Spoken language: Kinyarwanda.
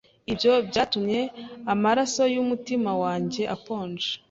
Ibyo byatumye amaraso yumutima wanjye akonja